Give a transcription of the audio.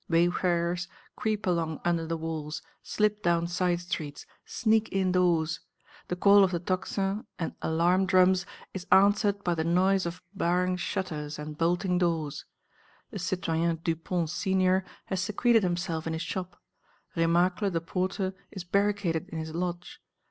Wayfarers creep along under the walls, slip down side streets, sneak indoors. The call of the tocsin and alarm drums is answered by the noise of barring shutters and bolting doors. The citoyen Dupont senior has secreted himself in his shop; Remacle the porter is barricaded in his lodge.